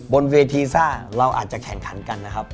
บนเวทีซ่าเราอาจจะแข่งขันกันนะครับ